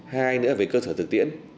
hai nữa là về cơ sở thực tiễn